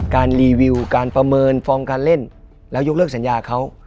รีวิวการประเมินฟอร์มการเล่นแล้วยกเลิกสัญญาเขา